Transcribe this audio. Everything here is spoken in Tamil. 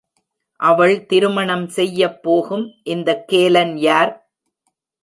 அவள் திருமணம் செய்யப் போகும் இந்த கேலன் யார்?